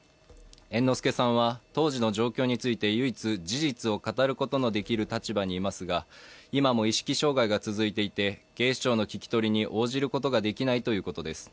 猿之助さんは当時の状況について唯一、事実を語ることができる立場にいますが今も意識障害が続いていて、警視庁の聞き取りに応じることができないということです。